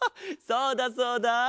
そうだそうだ。